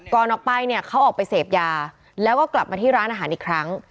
ก่อนออกไปเนี่ยเขาออกไปเสพยาแล้วก็กลับมาที่ร้านอาหารอีกครั้ง